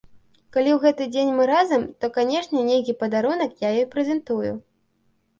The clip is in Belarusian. Калі ў гэты дзень мы разам, то, канешне, нейкі падарунак я ёй прэзентую.